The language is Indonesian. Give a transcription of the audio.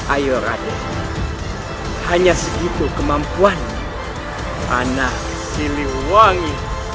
ayo raden hanya segitu kemampuan anak siliwangi